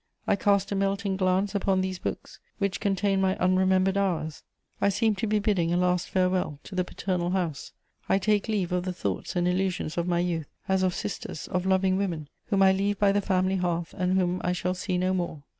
I cast a melting glance upon those books which contain my unremembered hours; I seem to be bidding a last farewell to the paternal house; I take leave of the thoughts and illusions of my youth as of sisters, of loving women, whom I leave by the family hearth and whom I shall see no more.